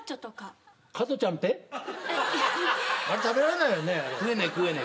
あれ食べられないよね？